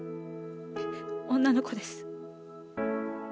女の子です。